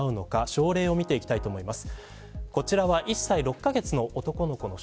症例を見ていきたいと思います。